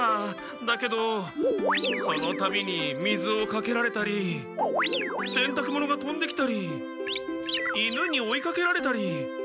だけどそのたびに水をかけられたりせんたく物がとんできたり犬に追いかけられたり。